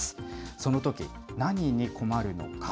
そのとき、何に困るのか。